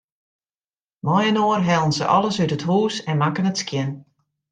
Mei-inoar hellen se alles út it hûs en makken it skjin.